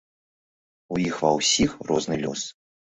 У іх ва ўсіх розны лёс.